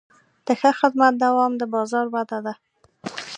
د ښه خدمت دوام د بازار وده ده.